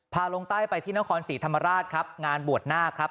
ลงใต้ไปที่นครศรีธรรมราชครับงานบวชนาคครับ